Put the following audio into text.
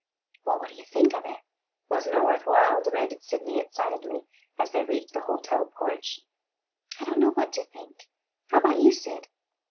"Well, what did you think of it? Was n't it worth while?" demanded Sydney excitedly, as they reached the hotel porch. "I don't know what to think. How about you, Syd?"